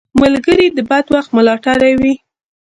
ملګری د بد وخت ملاتړی وي